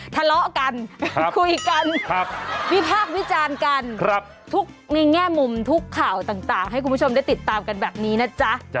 ทะเลาะกันคุยกันวิพากษ์วิจารณ์กันทุกในแง่มุมทุกข่าวต่างให้คุณผู้ชมได้ติดตามกันแบบนี้นะจ๊ะ